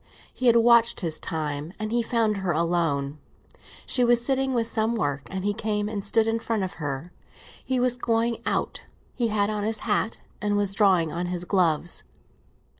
He had watched his time, and he found her alone. She was sitting with some work, and he came and stood in front of her. He was going out, he had on his hat and was drawing on his gloves.